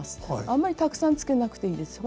あんまりたくさんつけなくていいです。